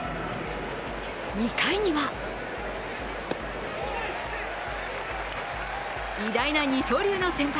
２回には偉大な二刀流の先輩